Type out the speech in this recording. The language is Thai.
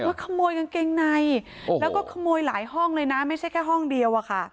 ขโมยกางเกงในแล้วก็ขโมยหลายห้องเลยนะไม่ใช่แค่ห้องเดียวอะค่ะ